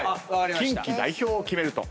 キンキ代表を決めると。